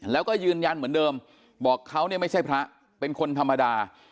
และอยู่ย้านเหมือนเดิมบอกเขาไม่ใช่พระเป็นคนธรรมดาค่ะ